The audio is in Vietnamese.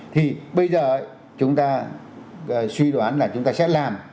thì bây giờ chúng ta suy đoán là chúng ta sẽ làm